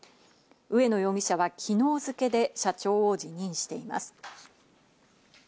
植野容疑者は昨日付で社長を辞任しています。